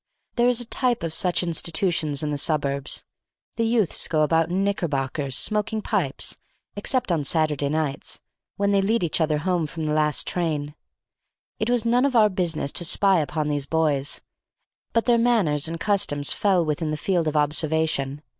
There is a type of such institutions in the suburbs; the youths go about in knickerbockers, smoking pipes, except on Saturday nights, when they lead each other home from the last train. It was none of our business to spy upon these boys, but their manners and customs fell within the field of observation.